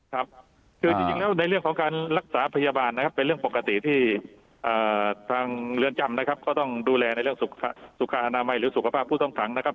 ครับคือจริงแล้วในเรื่องของการรักษาพยาบาลนะครับเป็นเรื่องปกติที่ทางเรือนจำนะครับก็ต้องดูแลในเรื่องสุขอนามัยหรือสุขภาพผู้ต้องขังนะครับ